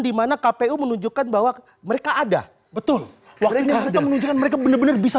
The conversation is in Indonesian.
dimana kpu menunjukkan bahwa mereka ada betul mereka ada menunjukkan mereka bener bener bisa